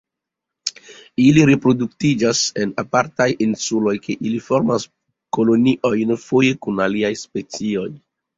Ili reproduktiĝas en apartaj insuloj kie ili formas koloniojn foje kun aliaj specioj.